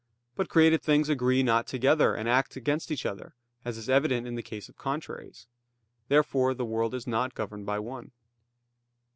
But created things agree not together, and act against each other; as is evident in the case of contraries. Therefore the world is not governed by one.